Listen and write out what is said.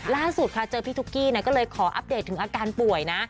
ล่าสุดค่ะเจอพี่ตุ๊กกี้ก็เลยขออัปเดตถึงอาการป่วยนะ